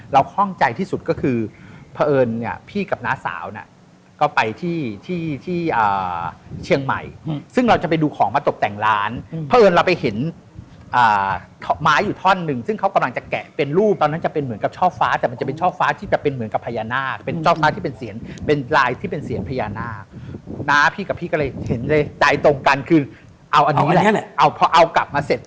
เราข้องใจที่สุดก็คือเพราะเอิญเนี้ยพี่กับน้าสาวน่ะก็ไปที่ที่ที่อ่าเชียงใหม่ซึ่งเราจะไปดูของมาตกแต่งร้านเพราะเอิญเราไปเห็นอ่าไม้อยู่ท่อนึงซึ่งเขากำลังจะแกะเป็นรูปตอนนั้นจะเป็นเหมือนกับช่อฟ้าแต่มันจะเป็นช่อฟ้าที่จะเป็นเหมือนกับพญานาคเป็นช่อฟ้าที่เป็นเสียงเป็นลายที่เป็นเสียงพญานา